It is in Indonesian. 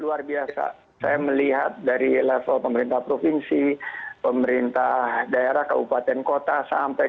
luar biasa saya melihat dari level pemerintah provinsi pemerintah daerah kabupaten kota sampai